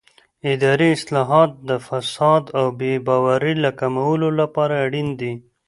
اداري اصلاحات د فساد او بې باورۍ د کمولو لپاره اړین دي